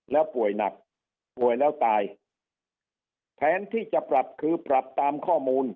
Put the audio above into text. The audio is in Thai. แล้วป่วยหนักป่วยแล้วตายแผนที่จะปรับคือปรับตามข้อมูล